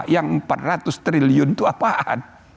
yang empat ratus triliun itu apaan